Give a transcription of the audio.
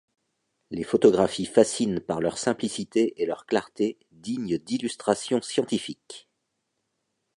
Les photographies fascinent par leur simplicité et leur clarté digne d'illustrations scientifiques.